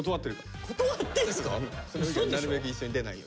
なるべく一緒に出ないように。